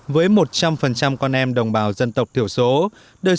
với một trăm linh con em đồng bào dân tộc thiểu số